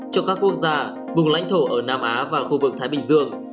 cho các quốc gia vùng lãnh thổ ở nam á và khu vực thái bình dương